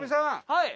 はい。